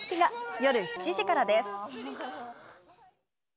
夜７時からです。